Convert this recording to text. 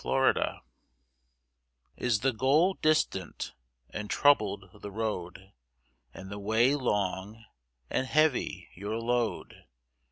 KEEP GOING Is the goal distant, and troubled the road, And the way long? And heavy your load?